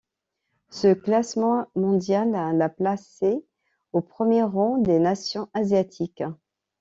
Ce classement mondial la plaçait au premier rang des nations asiatiques.